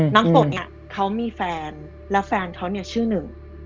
น้ำฝนเขามีแฟนแล้วแฟนเขาชื่อหนึ่ง